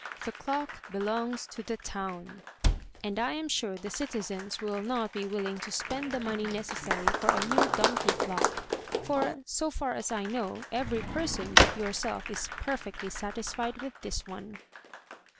The clock belongs to the town, and I am sure the citizens will not be willing to spend the money necessary for a new donkey clock; for, so far as I know, every person but your self is perfectly satisfied with this one."